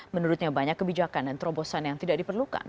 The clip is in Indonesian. menurutnya banyak kebijakan dan terobosan yang tidak diperlukan